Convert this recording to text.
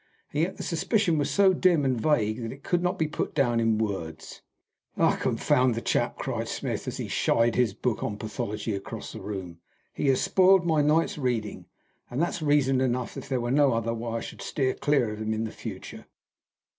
And yet the suspicion was so dim and vague that it could not be put down in words. "Confound the chap!" cried Smith, as he shied his book on pathology across the room. "He has spoiled my night's reading, and that's reason enough, if there were no other, why I should steer clear of him in the future."